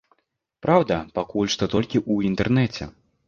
Праўда, пакуль што толькі ў інтэрнэце.